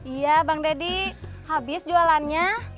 iya bang deddy habis jualannya